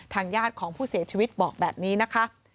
ญาติของผู้เสียชีวิตบอกแบบนี้นะคะ